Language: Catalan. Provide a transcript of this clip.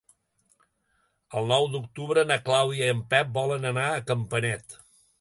El nou d'octubre na Clàudia i en Pep volen anar a Campanet.